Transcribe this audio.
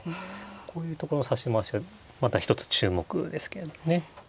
こういうところの指し回しはまた一つ注目ですけれどもね。